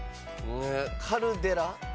カルデラ？